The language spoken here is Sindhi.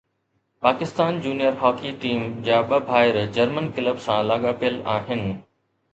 پاڪستان جونيئر هاڪي ٽيم جا ٻه ڀائر جرمن ڪلب سان لاڳاپيل آهن